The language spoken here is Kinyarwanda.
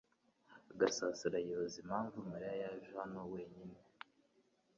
Gasasira yibaza impamvu Mariya yaje hano wenyine .